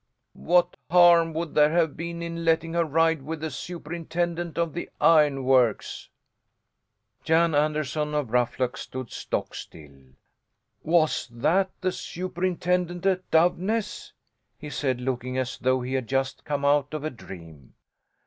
"What harm would there have been in letting her ride with the superintendent of the ironworks?" Jan Anderson of Ruffluck stood stockstill. "Was that the superintendent at Doveness?" he said, looking as though he had just come out of a dream.